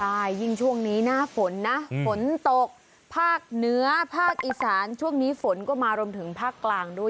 ใช่ยิ่งช่วงนี้นะฝนนะฝนตกภาคเหนือภาคอีสานช่วงนี้ฝนก็มารวมถึงภาคกลางด้วย